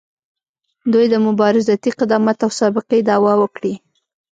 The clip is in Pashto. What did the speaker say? دوی د مبارزاتي قدامت او سابقې دعوه وکړي.